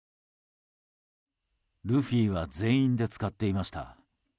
ルフィは全員で使っていました。